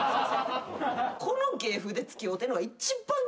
この芸風で付き合うてんのが一番キショいど。